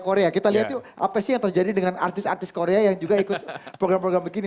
korea kita lihat tuh apa sih yang terjadi dengan artis artis korea yang juga ikut program program begini